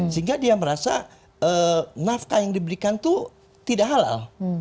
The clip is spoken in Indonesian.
sehingga dia merasa nafkah yang diberikan itu tidak halal